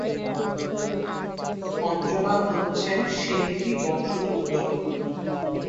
সঞ্জনা হচ্ছেন সিন্ধি বংশোদ্ভূত।